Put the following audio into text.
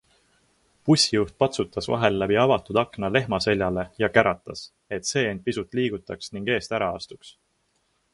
Bussijuht patsutas vahel läbi avatud akna lehma seljale ja käratas, et see end pisut liigutaks ning eest ära astuks.